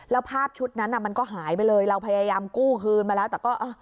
แล้วภาพชุดนั้นมันก็หายไปเลยเราพยายามกู้คืนมาแล้วแต่ก็